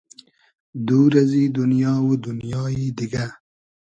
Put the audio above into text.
دور ازی دونیا و دونیایی دیگۂ